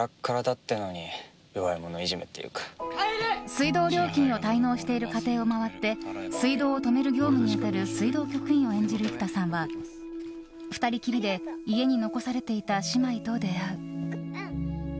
水道料金を滞納する家庭を回って水道を止める業務に当たる水道局員を演じる生田さんは２人きりで家に残されていた姉妹と出会う。